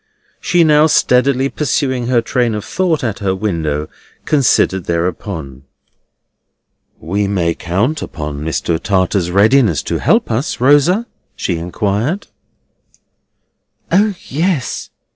She now steadily pursuing her train of thought at her window, considered thereupon. "We may count on Mr. Tartar's readiness to help us, Rosa?" she inquired. O yes!